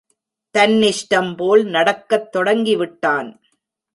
தன்னிஷ்டம் போல் நடக்கத் தொடங்கிவிட்டான்.